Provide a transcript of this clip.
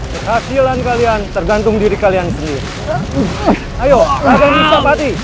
hai hasil dan kalian tergantung diri kalian sendiri ayo agar bisa pati